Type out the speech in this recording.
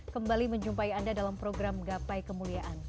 kembali menjumpai anda dalam program gapai kemuliaan